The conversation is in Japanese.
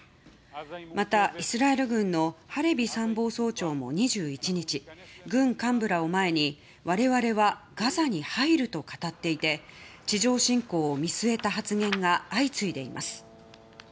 また、イスラエル軍のハレビ参謀総長も２１日軍幹部らを前に我々はガザに入ると語っていて地上侵攻を見据えた発言が相次いでいます。